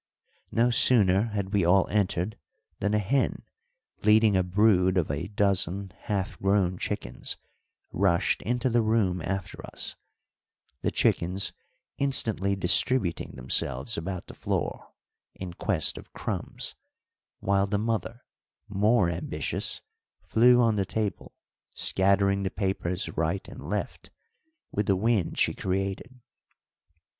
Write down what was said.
No sooner had we all entered than a hen, leading a brood of a dozen half grown chickens, rushed into the room after us, the chickens instantly distributing themselves about the floor in quest of crumbs, while the mother, more ambitious, flew on the table, scattering the papers right and left with the wind she created.